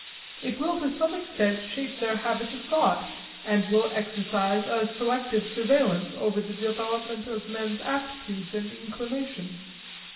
It will to some extent shape their habits of thought and will exercise a selective surveillance over the development of men's aptitudes and inclinations.